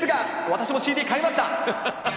私もＣＤ買いました。